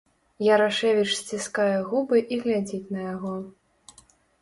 Ярашэвіч сціскае губы і глядзіць на яго.